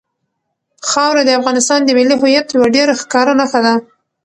خاوره د افغانستان د ملي هویت یوه ډېره ښکاره نښه ده.